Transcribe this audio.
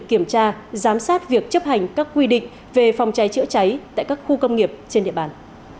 kiểm tra giám sát việc chấp hành các quy định về phòng cháy chữa cháy tại các khu công nghiệp trên địa bàn